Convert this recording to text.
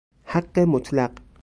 حق مطلق